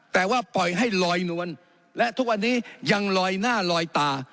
แต่ว่าปล่อยให้ลอยนวลและทุกวันนี้ยังลอยหน้าลอยตา